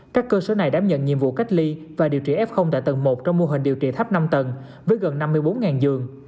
các cơ sở này đảm nhận nhiệm vụ cách ly và điều trị f tại tầng một trong mô hình điều trị thấp năm tầng với gần năm mươi bốn giường